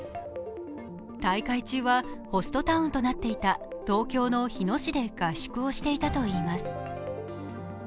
大会中は、ホストタウンとなっていた東京・日野市で合宿をしていたといいます。